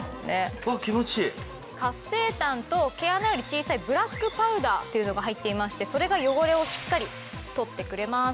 活性炭と毛穴より小さいブラックパウダーというのが入っていましてそれが汚れをしっかり取ってくれます。